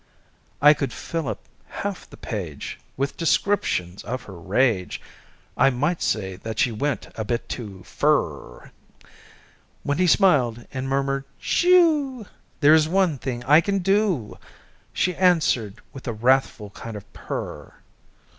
I could fill up half the page With descriptions of her rage (I might say that she went a bit too fur!) When he smiled and murmured: "Shoo!" "There is one thing I can do!" She answered with a wrathful kind of purr.